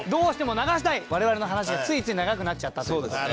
我々の話がついつい長くなっちゃったという事で。